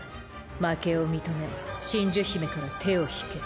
負けを認め真珠姫から手を引け。